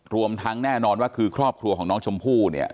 รวมทั้งแน่นอนว่าคือครอบครัวของน้องชมพู่เนี่ย